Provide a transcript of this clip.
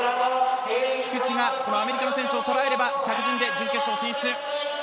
菊池がアメリカの選手を捉えれば着順で準決勝進出。